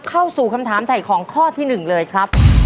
เข้าสู่คำถามถ่ายของข้อที่๑เลยครับ